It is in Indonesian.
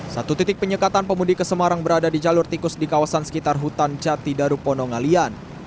satu titik penyekatan pemudik ke semarang berada di jalur tikus di kawasan sekitar hutan jati darupono ngalian